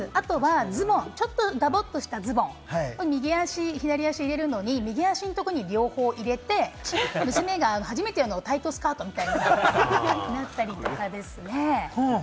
あとちょっとズボっとしたズボン、右足左足入れるのに、右足のところに両方入れて、娘が初めてのタイトスカートみたいになってたりとかですね。